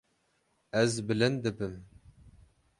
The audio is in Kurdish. Ez bilind dibim.